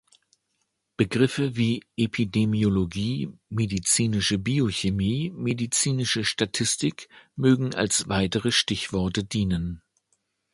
Begriffe wie Epidemiologie, medizinische Biochemie, medizinische Statistik mögen als weitere Stichworte dienen.